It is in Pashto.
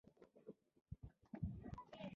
ځکه زموږ په کوڅه کې اصلاً داسې څوک نه اوسېدل.